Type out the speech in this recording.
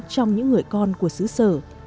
trong những người con của xứ sở